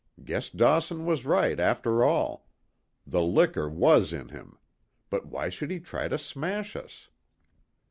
Guess Dawson was right, after all. The liquor was in him. But why should he try to smash us?"